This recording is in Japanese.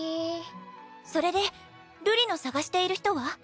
それで瑠璃の捜している人は？